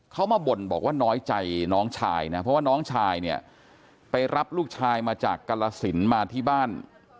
เขามาบ่นบอกว่าน้อยใจน้องชายนะเพราะว่าน้องชายเนี่ยไปรับลูกชายมาจากกรสินมาที่บ้าน